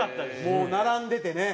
もう並んでてね。